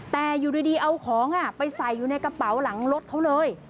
แต่อยู่ดีเอาของไปใส่อยู่ในกระเป๋าหลังรถเขาเลย